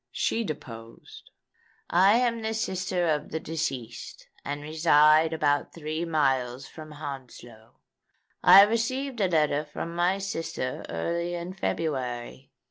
She deposed: "I am the sister of the deceased, and reside about three miles from Hounslow. I received a letter from my sister early in February.